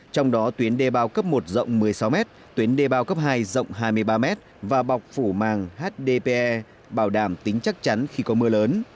trong đó tuyến đê bao cấp một rộng một mươi sáu m tuyến đê bao cấp hai rộng hai mươi ba m và bọc phủ màng hdpe bảo đảm tính chắc chắn khi có mưa lớn